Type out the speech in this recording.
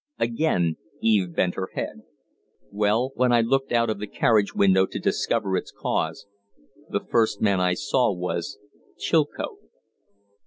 Again Eve bent her head. "Well, when I looked out of the carriage window to discover its cause the first man I saw was Chilcote."